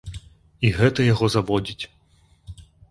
І гэта яго заводзіць.